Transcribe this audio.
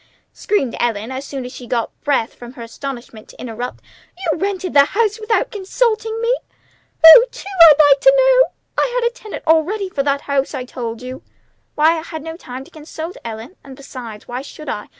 screamed Ellen as soon as she got breath from her astonishment to interrupt. "You've rented the house without consulting me? Who to, I'd like to know? I had a tenant already for that house, I told you." "Why, I had no time to consult you, Ellen; and, besides, why should I?